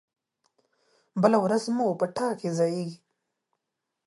بله ورځ په مو ټه کې ځائېږي